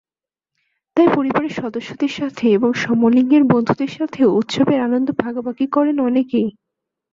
তাই পরিবারের সদস্যদের সাথে এবং সমলিঙ্গের বন্ধুদের সাথেও উৎসবের আনন্দ ভাগাভাগি করেন অনেকেই।